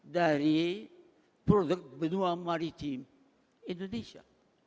dari produk benua maritim indonesia